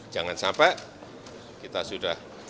jangan sampai kita sudah